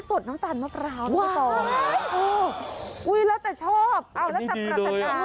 สดน้ำตาลสดสด